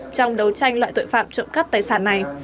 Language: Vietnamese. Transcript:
trong đấu tranh loại tội phạm trộm cắp tài sản này